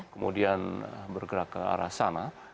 kemudian bergerak ke arah sana